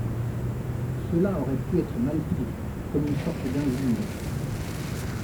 Cela aurait pu être mal pris, comme une sorte d’injure